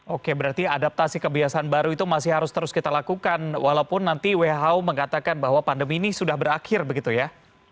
oke berarti adaptasi kebiasaan baru itu masih harus terus kita lakukan walaupun nanti who mengatakan bahwa pandemi ini sudah berakhir begitu ya